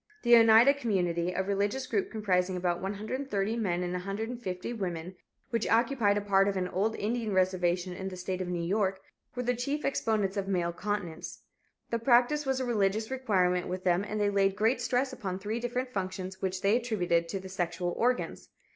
The Oneida Community, a religious group comprising about 130 men and 150 women, which occupied a part of an old Indian reservation in the state of New York, were the chief exponents of "male continence." The practice was a religious requirement with them and they laid great stress upon three different functions which they attributed to the sexual organs.